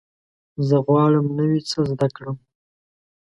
زه غواړم نوی څه زده کړم.